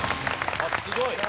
すごい！